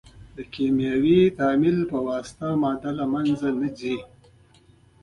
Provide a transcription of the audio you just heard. د کیمیاوي تعامل په واسطه ماده نه له منځه ځي.